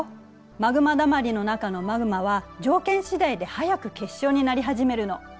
マグマ溜まりの中のマグマは条件次第で早く結晶になり始めるの。